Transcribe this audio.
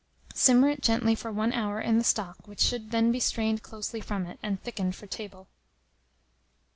Simmer it gently for 1 hour in the stock, which should then be strained closely from it, and thickened for table.